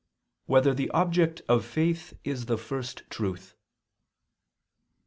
1] Whether the Object of Faith Is the First Truth?